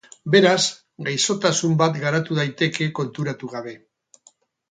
Beraz, gaixotasun bat garatu daiteke konturatu gabe.